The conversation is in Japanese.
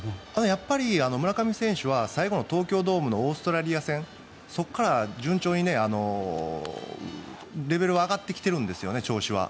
やっぱり村上選手は最後の東京ドームのオーストラリア戦そこから順調にレベルが上がってきてるんです調子は。